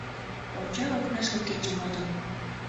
Онча окнашке кече модын.